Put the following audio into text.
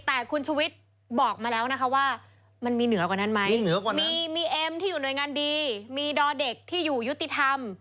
แต่คุณชุวิตบอกมาแล้วนะคะว่ามันมีเหนือกว่านั้นไหมมีเอ็มที่อยู่หน่วยงานดีมีดอเด็กที่อยู่ยุติธรรม